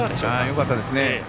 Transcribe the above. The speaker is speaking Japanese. よかったですね。